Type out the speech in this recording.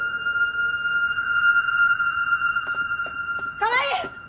川合！